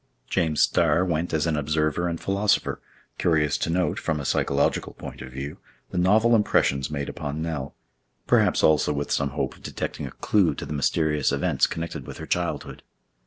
James Starr went as an observer and philosopher, curious to note, from a psychological point of view, the novel impressions made upon Nell; perhaps also with some hope of detecting a clue to the mysterious events connected with her childhood.